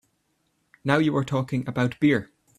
Now you are talking about beer!